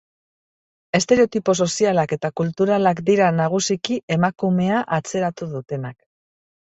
Estereotipo sozialak eta kulturalak dira nagusiki emakumea atzeratu dutenak.